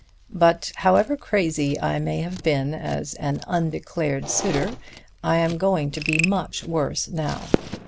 But however crazy I may have been as an undeclared suitor, I am going to be much worse now.